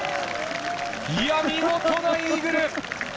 見事なイーグル。